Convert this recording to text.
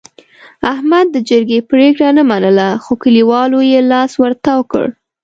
احمد د جرګې پرېګړه نه منله، خو کلیوالو یې لاس ورتاو کړ.